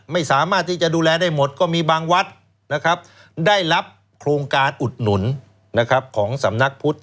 ไม่สามารถที่จะดูแลได้หมดก็มีบางวัดนะครับได้รับโครงการอุดหนุนของสำนักพุทธ